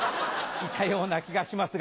いたような気がしますが。